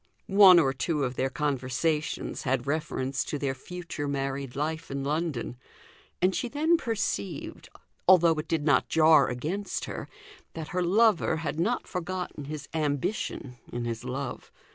One or two of their conversations had reference to their future married life in London; and she then perceived, although it did not jar against her, that her lover had not forgotten his ambition in his love.